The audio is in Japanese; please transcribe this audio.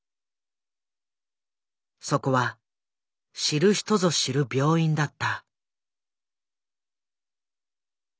そこは知る人ぞ知る病院だった。